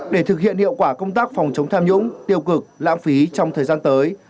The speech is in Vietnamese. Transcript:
để thực hiện hiệu quả công tác phòng chống tham nhũng tiêu cực lãng phí trong thời gian tới